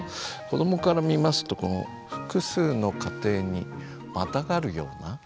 子どもから見ますと複数の家庭にまたがるような。